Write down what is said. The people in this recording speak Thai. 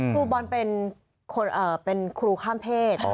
ครูบอลเป็นครูข้ามเพศ